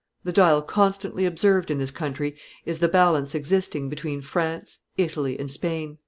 The dial constantly observed in this country is the balance existing between France, Italy, and Spain."